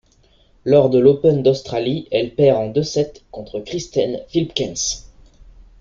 Lors de l'Open d'Australie, elle perd en deux sets secs contre Kirsten Flipkens.